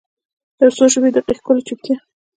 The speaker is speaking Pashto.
یوڅو شیبې د هغې ښکلې چوپتیا